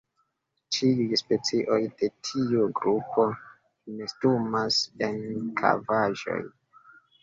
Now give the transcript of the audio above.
Ĉiuj specioj de tiu grupo nestumas en kavaĵoj.